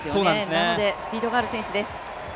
なのでスピードがある選手です。